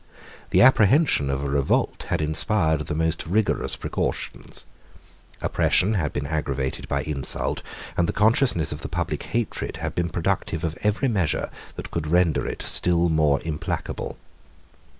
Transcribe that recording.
The apprehension of a revolt had inspired the most rigorous precautions: oppression had been aggravated by insult, and the consciousness of the public hatred had been productive of every measure that could render it still more implacable.